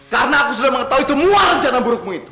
karena aku sudah mengetahui semua rencana burukmu itu